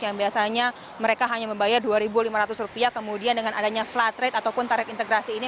yang biasanya mereka hanya membayar rp dua lima ratus kemudian dengan adanya flat rate ataupun tarif integrasi ini